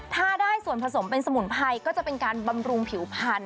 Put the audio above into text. ถ้าได้ส่วนผสมเป็นสมุนไพรก็จะเป็นการบำรุงผิวพันธ